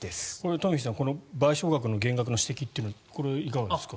東輝さん賠償額の減額の指摘はいかがですか。